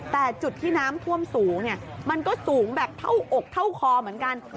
แต่จุดที่น้ำท่วมสูงมันก็สูงแบบเท่าอกเท่าคอเหมือนกัน